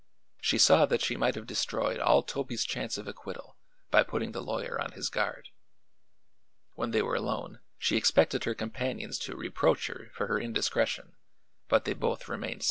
She saw that she might have destroyed all Toby's chance of acquittal by putting the lawyer on his guard. When they were alone she expected her companions to reproach her for her indiscretion, but they both remained silent.